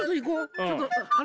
ちょっとあれ。